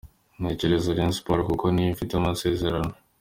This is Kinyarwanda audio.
Ntekereza Rayon Sports kuko niyo mfitiye amasezerano.